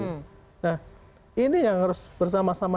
nah ini yang harus bersama sama